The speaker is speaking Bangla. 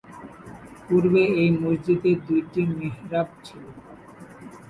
পূর্বে এই মসজিদে দুইটি মিহরাব ছিল।